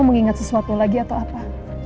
kamu mau ingat sesuatu lagi atau apa